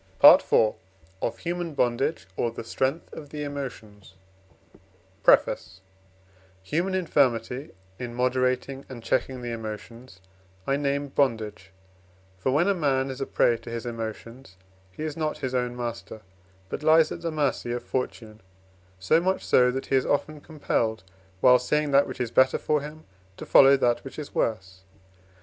PART IV: Of Human Bondage, or the Strength of the Emotions PREFACE Human infirmity in moderating and checking the emotions I name bondage: for, when a man is a prey to his emotions, he is not his own master, but lies at the mercy of fortune: so much so, that he is often compelled, while seeing that which is better for him, to follow that which is worse.